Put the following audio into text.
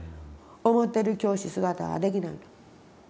思ってる教師姿はできない。